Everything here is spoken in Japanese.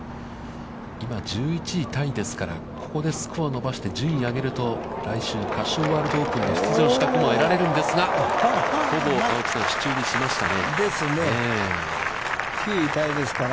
今、１１位タイですから、ここでスコアを伸ばして順位を上げると、来週カシオワールドオープンの出場資格も得られるんですが、ほぼ青木さん、手中にしましたね。ですね。